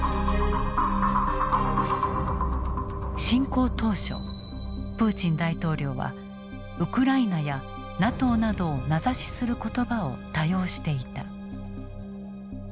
侵攻当初プーチン大統領は「ウクライナ」や「ＮＡＴＯ」などを名指しする言葉を多用していた。